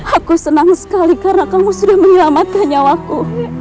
aku senang sekali karena kamu sudah menyelamatkan nyawaku